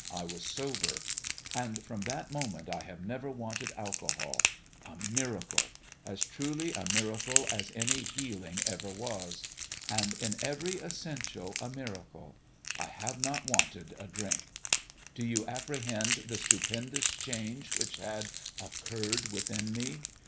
I was sober. And from that moment I have never wanted alcohol. ... A miracle as truly a miracle as any healing ever was ! And in every essential a miracle. ... I have not wanted a drink. Do you apprehend the stupendous change which had occurred within me